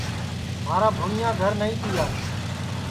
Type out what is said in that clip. مھارا بھوٹؔیا گھر نائی تیا